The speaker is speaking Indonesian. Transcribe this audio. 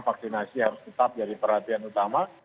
vaksinasi harus tetap jadi perhatian utama